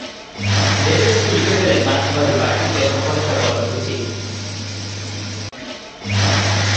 জেলে বসেই লিখে ফেলেন মার্কসবাদী পার্টির প্রথম খসড়া কর্মসূচী।